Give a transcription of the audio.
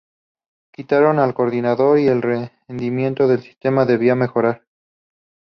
Quitando al coordinador, el rendimiento del sistema debería mejorar.